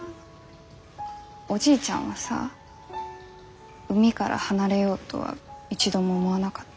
おじいちゃんはさ海から離れようとは一度も思わなかった？